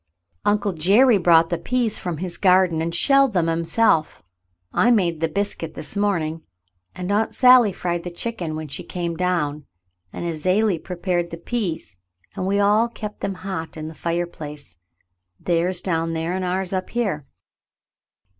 Uncle Jerry brought the peas from his garden, and he shelled them himself. I made the biscuit this morning, and Aunt Sally fried the chicken when she came down, and Azalie prepared the peas, and we kept them all hot in the fireplace, theirs down there, and ours up here."